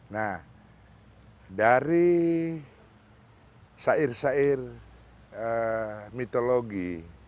nah dari sair syair mitologi